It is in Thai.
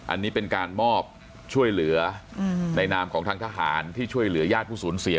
อันนี้เป็นการมอบช่วยเหลือในนามของทางทหารที่ช่วยเหลือญาติผู้สูญเสีย